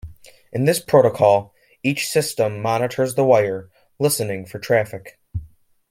In this protocol, each system monitors the wire, listening for traffic.